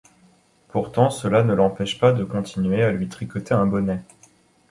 Pourtant cela ne l'empêche pas de continuer à lui tricoter un bonnet...